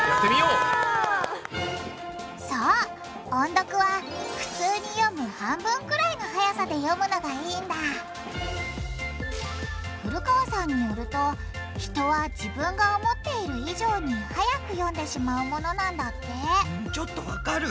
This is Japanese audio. そう音読は普通に読む半分ぐらいのはやさで読むのがいいんだ古川さんによると人は自分が思っている以上にはやく読んでしまうものなんだってちょっとわかる。